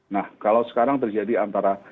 nah kalau sekarang terjadi antara